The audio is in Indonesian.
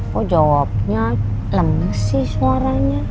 kok jawabnya lemes sih suaranya